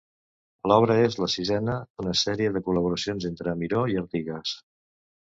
L'obra és la sisena d'una sèrie de col·laboracions entre Miró i Artigas.